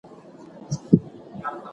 بسم الله سحر تورنپال بابى